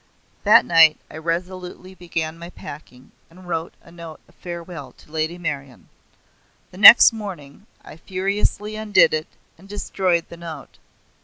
That night I resolutely began my packing, and wrote a note of farewell to Lady Meryon. The next morning I furiously undid it, and destroyed the note.